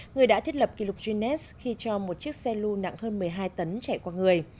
người đã thiết lập kỷ lục guinness khi cho một chiếc xe lưu nặng hơn một mươi hai tấn chạy qua người